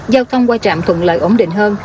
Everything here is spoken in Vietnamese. giao thông qua trạm thuận lợi ổn định hơn